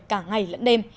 cả ngày lẫn đêm